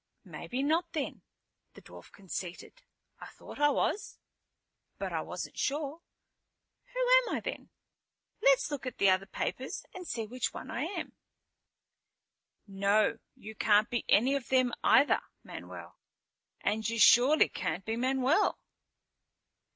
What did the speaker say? "Maybe not, then," the dwarf conceded. "I thought I was, but I wasn't sure. Who am I then? Let's look at the other papers and see which one I am." "No, you can't be any of them either, Manuel. And you surely can't be Manuel."